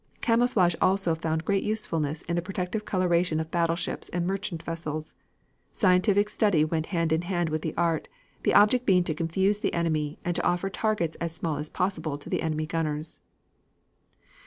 Camouflage also found great usefulness in the protective coloration of battleships and merchant vessels. Scientific study went hand in hand with the art, the object being to confuse the enemy and to offer targets as small as possible to the enemy gunners.